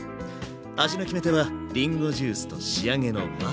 味の決め手はりんごジュースと仕上げのバター。